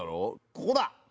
ここだ！